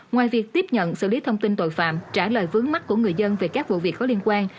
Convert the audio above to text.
ngoài việc tiếp nhận xử lý thông tin tội phạm trả lời vướng mắt của người dân về các vụ việc có liên quan